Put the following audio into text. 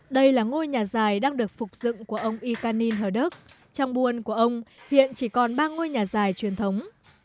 đây là ngôi nhà dài đang được phục dựng của ông ikanin hờ đức trong buôn của ông hiện chỉ còn ba ngôi nhà dài truyền thống